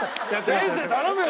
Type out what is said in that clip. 先生頼むよ！